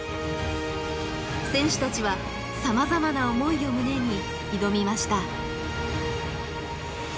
選手たちはさまざまな思いを胸に挑みました。